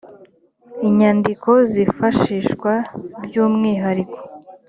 inyandiko zifashishwa by’umwihariko